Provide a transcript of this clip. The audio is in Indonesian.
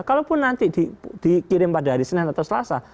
kalaupun nanti dikirim pada hari senin atau selasa